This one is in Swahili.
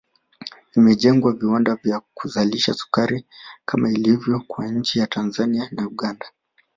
Vimejengwa viwanda vya kuzalisha sukari kama ilivyo kwa nchi za Tanzania na Uganda